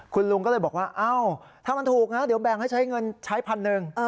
คุณลุงก็เลยบอกว่าเอ้าถ้ามันถูกนะเดี๋ยวแบ่งให้ใช้เงินใช้พันหนึ่ง